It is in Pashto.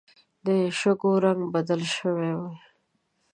د شګو رنګ بدل شوی وي